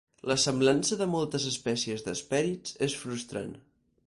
La semblança de moltes espècies d'hespèrids és frustrant.